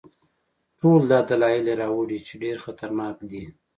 ټول دا دلایل یې راوړي چې ډېر خطرناک دی.